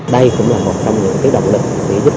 đây cũng là một trong những động lực